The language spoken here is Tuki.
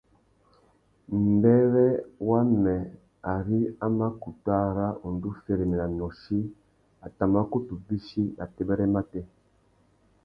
Mbêrê wamê, ari a mà kutu ara undú féréména nôchï a tà mà kutu bîchi nà têbêrê matê.